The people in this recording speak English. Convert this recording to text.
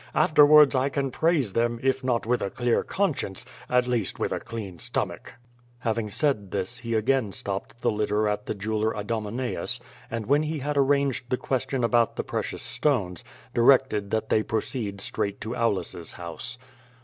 Afterwards I can praise them, if not with a clear conscience, at least with a clean stomach." Having said this he again stopped the litter at the jeweler Idomeneus, and when he had arranged the question about the precious stones, directed that they proceed straight to Aulus's house.